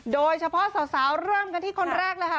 โดยเฉพาะสาวเริ่มกันที่คนแรกเลยค่ะ